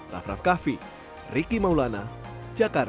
raf raf tkfi riki maulana jakarta